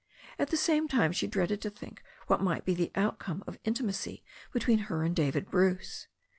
At the same time she dreaded to think what might be the outcome of intimacy between her and David Bruce.